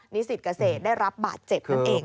นิสิตเกษตรได้รับบาดเจ็บนั่นเอง